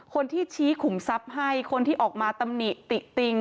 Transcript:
คนที่ชี้ขุมทรัพย์ให้คนที่ออกมาตำหนิติติติง